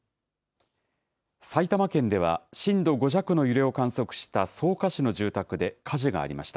埼玉県では、震度５弱の揺れを観測した草加市の住宅で火事がありました。